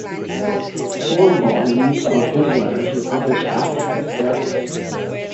Four volumes of his letters were published after his death.